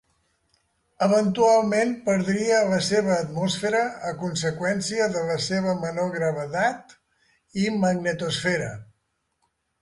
Eventualment perdria la seva atmosfera a conseqüència de la seva menor gravetat i magnetosfera.